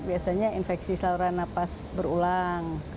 biasanya infeksi seluruh napas berulang